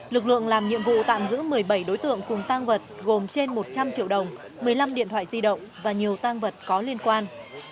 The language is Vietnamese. lực lượng làm nhiệm vụ tạm giữ một mươi bảy đối tượng cùng tăng vật gồm trên một trăm linh triệu đồng một mươi năm điện thoại di động và nhiều tăng vật có liên quan